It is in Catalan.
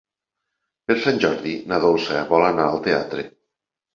Per Sant Jordi na Dolça vol anar al teatre.